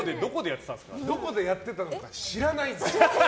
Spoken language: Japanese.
どこでやってたのか知らない。